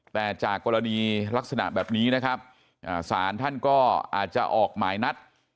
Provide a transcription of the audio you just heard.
แต่จากกรณีลักษณะแบบนี้นะครับศาลท่านก็อาจจะออกหมายนัด